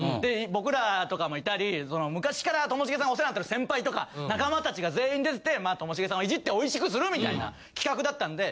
僕らとかもいたり昔からともしげさんがお世話になってる先輩とか仲間達が全員出ててともしげさんをいじっておいしくするみたいな企画だったんで。